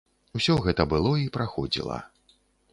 Усё гэта было і праходзіла.